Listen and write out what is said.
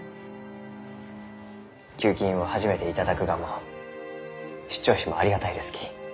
給金を初めて頂くがも出張費もありがたいですき。